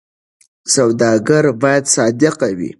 سوداګر باید صادق وي.